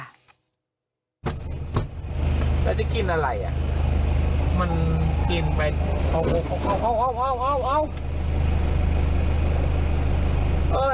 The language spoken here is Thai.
แล้วจะกินอะไรอ่ะมันกินไปเอาเอาเอาเอาเอาเอา